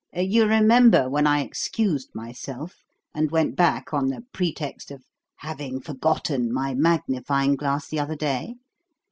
You remember when I excused myself and went back on the pretext of having forgotten my magnifying glass the other day?